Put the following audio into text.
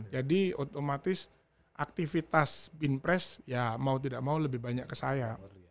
jadi otomatis aktivitas bimpres ya mau tidak mau lebih banyak ke saya